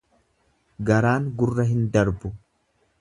Garaan gurra hin darbu.